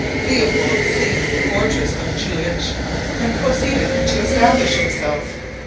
Leopold seized the fortress of Jülich and proceeded to establish himself.